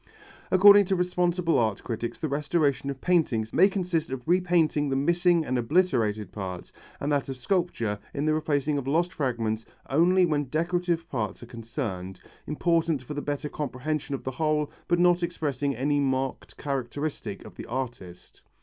According to responsible art critics the restoration of paintings may consist of repainting the missing and obliterated parts and that of sculpture in the replacing of lost fragments only when decorative parts are concerned, important for the better comprehension of the whole but not expressing any marked characteristic of the artist.